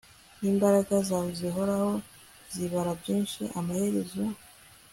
Nimbaraga zawe zihoraho zibara byinshi amaherezo